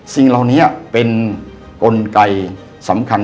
สิ่งเหล่านี้เป็นกลไกสำคัญ